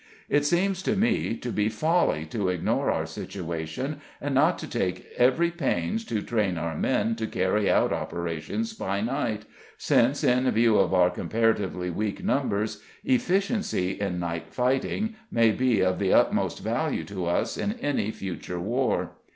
It seems to me to be folly to ignore our situation, and not to take every pains to train our men to carry out operations by night, since, in view of our comparatively weak numbers, efficiency in night fighting may be of the utmost value to us in any future war.